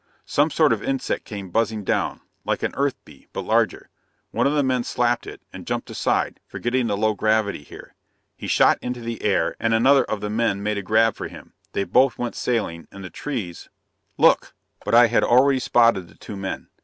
"Some sort of insect came buzzing down like an Earth bee, but larger. One of the men slapped it, and jumped aside, forgetting the low gravity here. He shot into the air, and another of the men made a grab for him. They both went sailing, and the trees look!" But I had already spotted the two men.